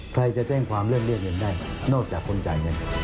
ใครจะแจ้งความเรื่องเรียกจากน่าจากคนใจ